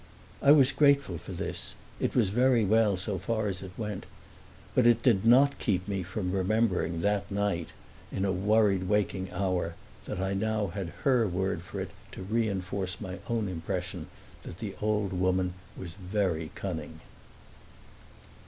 I was grateful for this it was very well so far as it went; but it did not keep me from remembering that night in a worried waking hour that I now had her word for it to reinforce my own impression that the old woman was very cunning.